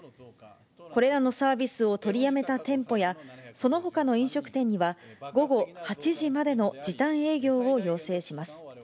これらのサービスを取りやめた店舗や、そのほかの飲食店には、午後８時までの時短営業を要請します。